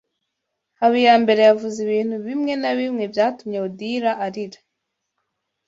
Habiyambere yavuze ibintu bimwe na bimwe byatumye Odile arira.